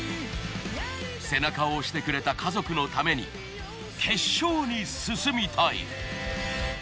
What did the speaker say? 背中を押してくれた家族のために決勝に進みたい。